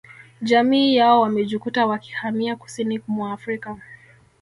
Jamii yao wamejikuta wakihamia kusini mwa Afrika